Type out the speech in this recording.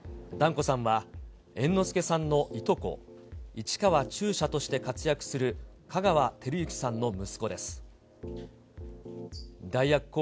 團子さんは、猿之助さんのいとこ、市川中車として活躍する香川照之さんの息子です。